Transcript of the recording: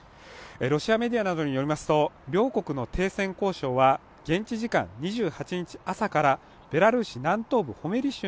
ロシアメディアなどによりますと両国の停戦交渉は現地時間２８日朝からベラルーシ南東部ホメリ